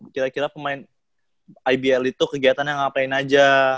kira kira pemain ibl itu kegiatannya ngapain aja